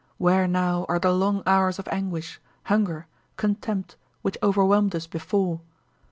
Where now are the long hours of anguish, hunger, contempt, which overwhelmed us before?